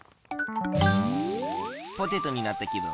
ポテトになったきぶん。